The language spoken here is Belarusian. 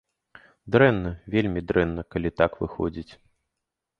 Дрэнна, вельмі дрэнна, калі так выходзіць.